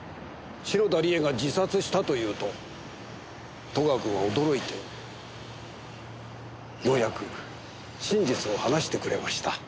篠田理恵が自殺したと言うと戸川君は驚いてようやく真実を話してくれました。